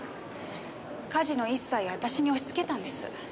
家事の一切を私に押しつけたんです。